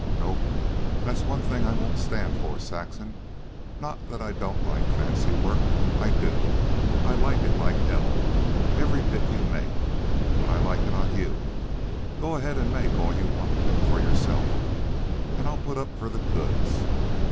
"Nope. That's one thing I won't stand for, Saxon. Not that I don't like fancy work. I do. I like it like hell, every bit you make, but I like it on YOU. Go ahead and make all you want of it, for yourself, an' I'll put up for the goods.